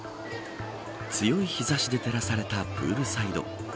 強い日差しで照らされたプールサイド。